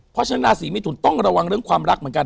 เพราะฉะนั้นราศีมิถุนต้องระวังเรื่องความรักเหมือนกัน